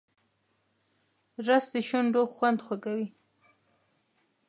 رس د شونډو خوند خوږوي